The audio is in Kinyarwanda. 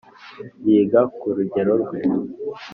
yiga ku rugero rwe